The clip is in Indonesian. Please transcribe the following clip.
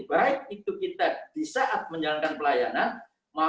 baik itu kita di saat menjalankan pelayanan